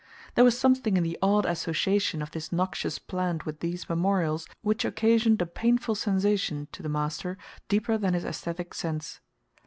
There was something in the odd association of this noxious plant with these memorials which occasioned a painful sensation to the master deeper than his esthetic sense.